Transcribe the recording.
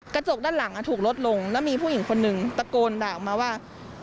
กระจกด้านหลังถูกลดลงแล้วมีผู้หญิงคนหนึ่งตะโกนด่าออกมาว่า